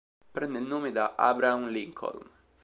Prende il nome da Abraham Lincoln.